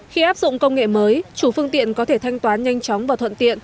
khi áp dụng công nghệ mới chủ phương tiện có thể thanh toán nhanh chóng và thuận tiện